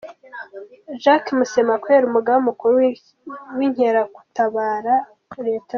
Jacques Musemakweli, Umugaba Mukuru w’Inkeragutabara, Lt.